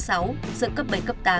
giờ cấp bảy cấp tám